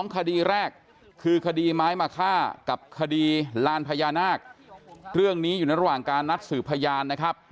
คดีแรกคือคดีไม้มาฆ่ากับคดีลานพญานาคเรื่องนี้อยู่ในระหว่างการนัดสืบพยานนะครับ